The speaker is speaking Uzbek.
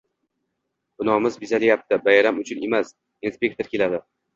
Binomiz bezatilyapti, bayram uchun emas, inspektor keladi